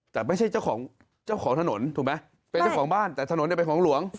แต่ไม่ใช่เจ้าของเจ้าของถนนถูกไหมเป็นเจ้าของบ้านแต่ถนนเนี่ยเป็นของหลวง